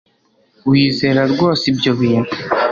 Wizera rwose ibyo bintu